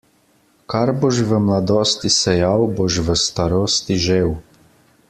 Kar boš v mladosti sejal, boš v starosti žel.